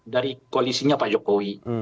dari koalisinya pak jokowi